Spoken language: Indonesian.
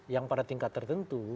yang pada tingkat tertentu